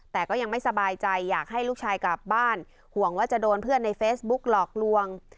แต่ก็ยังไม่สบายใจอยากให้ลูกชายกลับบ้านห่วงว่าจะโดนเพื่อนในเฟซบุ๊กหลอกลวง